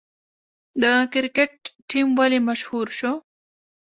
د کرکټ ټیم ولې مشهور شو؟